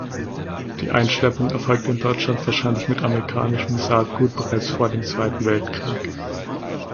Die Einschleppung erfolgte in Deutschland wahrscheinlich mit amerikanischem Saatgut bereits vor dem Zweiten Weltkrieg.